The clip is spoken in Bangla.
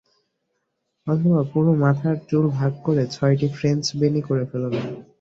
অথবা পুরো মাথার চুল ভাগ করে ছয়টা ফ্রেঞ্চ বেণি করে ফেলুন।